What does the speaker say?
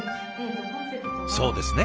そうですね。